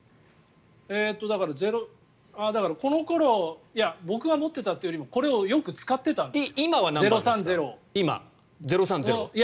だからこの頃僕が持っていたというよりもこれをよく使ってたんです。